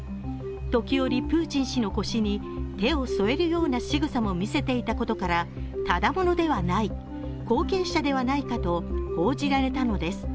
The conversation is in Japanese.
時折プーチン氏の腰に手を添えるようなしぐさも見せていたことから、ただ者ではない、後継者ではないかと報じられたのです。